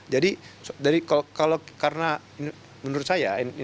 jadi dari kalau karena menurut saya